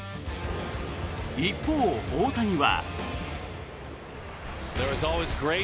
一方、大谷は。